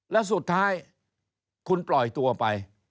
แล้วสุดท้ายคุณปล่อยตัวไป